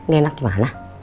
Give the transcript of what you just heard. gak enak gimana